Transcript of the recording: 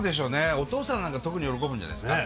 お父さんなんか特に喜ぶんじゃないですか？